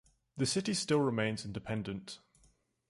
The city still remains independent.